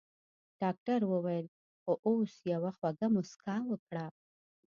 ډاکټر وويل خو اوس يوه خوږه مسکا وکړه.